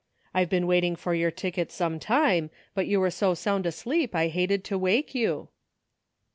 I've been waiting for your ticket some time, but you were so sound asleep I hated to wake you."